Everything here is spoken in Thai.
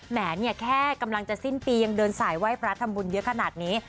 แหมเนี่ยแค่กำลังจะสิ้นปียังเดินสายไหว้พระทำบุญเยอะขนาดนี้